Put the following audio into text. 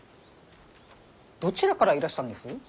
どちらからいらしたんです？